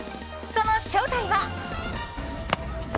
その正体は。